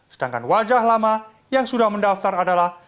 sedangkan wajah lama yang sudah mendaftar adalah